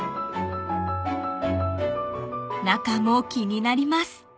［中も気になります］